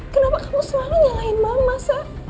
kenapa kamu selalu nyalain mama sa